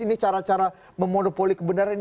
ini cara cara memonopoli kebenaran ini